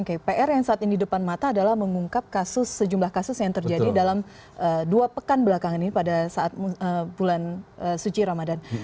oke pr yang saat ini depan mata adalah mengungkap kasus sejumlah kasus yang terjadi dalam dua pekan belakangan ini pada saat bulan suci ramadan